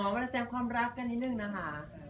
อ่อเวลาเต็มความรักก็นิดนึงนะคะ